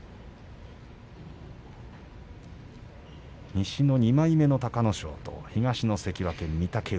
西の２枚目の隆の勝東の関脇御嶽海。